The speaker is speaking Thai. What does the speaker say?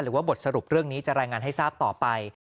บทสรุปเรื่องนี้จะรายงานให้ทราบต่อไป